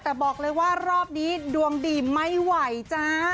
แต่บอกเลยว่ารอบนี้ดวงดีไม่ไหวจ้า